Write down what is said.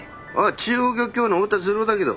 中央漁協の太田滋郎だけど。